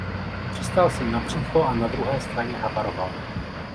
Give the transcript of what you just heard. Přistál jsem na břicho a na druhé straně havaroval.